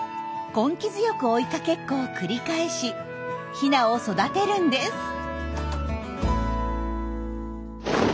根気強く追いかけっこを繰り返しヒナを育てるんです。